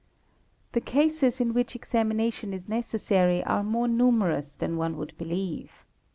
The cases in which examination is necessary are more numerous than one would believe.